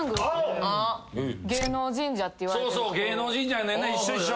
芸能神社っていわれてる所。